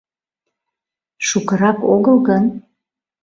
Шукырак огыл гын.